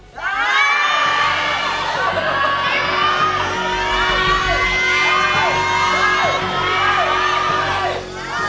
ได้